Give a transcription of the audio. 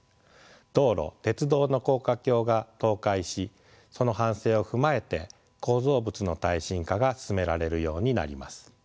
道路鉄道の高架橋が倒壊しその反省を踏まえて構造物の耐震化が進められるようになります。